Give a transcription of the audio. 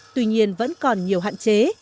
tuy nhiên vẫn còn nhiều hạn chế